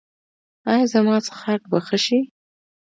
ایا زما څښاک به ښه شي؟